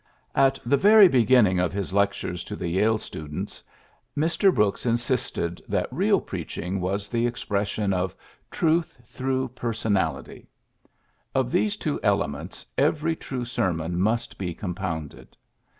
At the very beginning of his Lectures to the Yale students, Mr. Brooks insisted that real preaching was the expression 50 PHILLIPS BEOOKS of ^^ Truth through Personality.'^ Of these two elements every true sermon must be compounded.